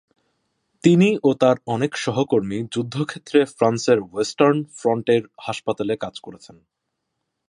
তিনি ও তাঁর অনেক সহকর্মী যুদ্ধক্ষেত্রে ফ্রান্সের ওয়েস্টার্ন ফ্রন্টের হাসপাতালে কাজ করেছেন।